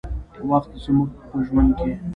وخت زموږ په ژوند کې